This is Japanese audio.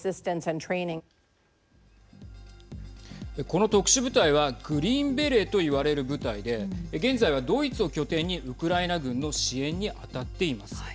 この特殊部隊はグリーンベレーといわれる部隊で現在は、ドイツを拠点にウクライナ軍の支援に当たっています。